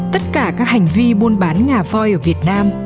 tất cả các hành vi buôn bán ngà voi ở việt nam